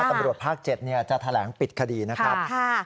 ตำรวจภาค๗จะแถลงปิดคดีนะครับ